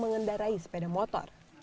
mengendarai sepeda motor